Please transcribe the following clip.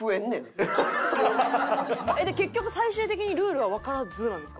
で結局最終的にルールはわからずなんですか？